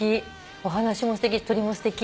お話もすてき鳥もすてき。